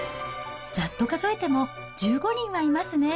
ざっと数えても１５人はいますね。